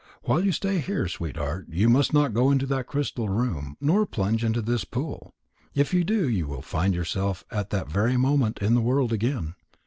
While you stay here, sweetheart, you must not go into that crystal room, nor plunge into this pool. If you do, you will find yourself at that very moment in the world again."